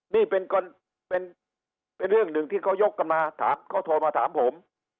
นี่เป็นเรื่องหนึ่งที่เขายกกันมาถามเขาโทรมาถามผม